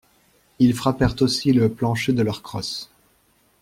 Ils frappèrent aussi le plancher de leurs crosses.